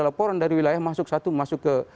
laporan dari wilayah masuk satu masuk ke